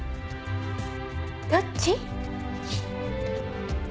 どっち？